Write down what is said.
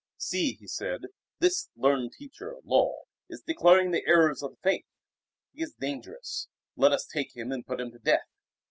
"See," he said, "this learned teacher, Lull, is declaring the errors of the Faith. He is dangerous. Let us take him and put him to death."